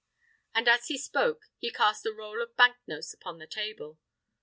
And, as he spoke, he cast a roll of Bank notes upon the table.